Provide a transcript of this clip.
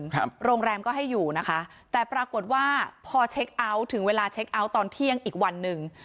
ครับโรงแรมก็ให้อยู่นะคะแต่ปรากฏว่าพอเช็คเอาท์ถึงเวลาเช็คเอาท์ตอนเที่ยงอีกวันหนึ่ง